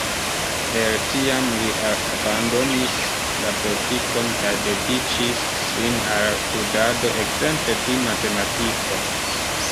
El tiam li abandonis la politikon kaj dediĉis sin al studado, ekzemple pri matematiko.